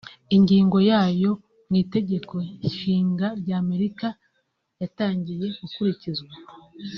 Ingingo ya yo mu itegeko nshinga rya Amerika yatangiye gukurikizwa